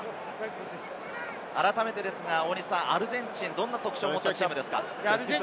改めてアルゼンチン、どんな特徴を持ったチームですか？